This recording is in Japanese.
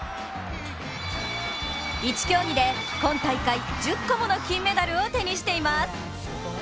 １競技で今大会１０個もの金メダルを手にしています。